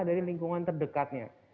dari lingkungan terdekatnya